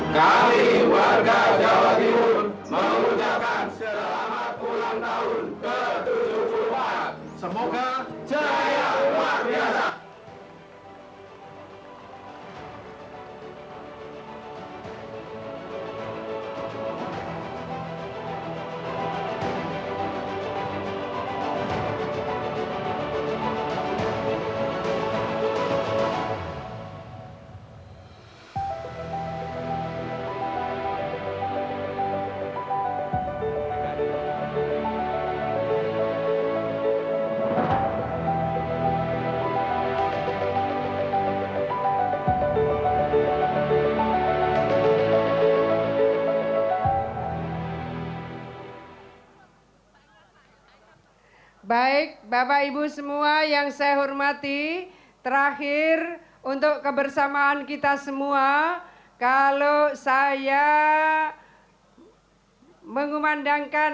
kali warga jawa timur mengucapkan selamat ulang tahun ke tujuh puluh empat semoga jaya luar biasa